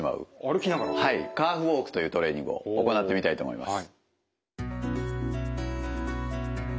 はいカーフウォークというトレーニングを行ってみたいと思います。